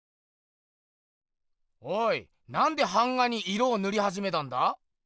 おいなんで版画に色をぬりはじめたんだ？